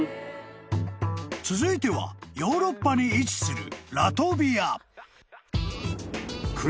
［続いてはヨーロッパに位置する］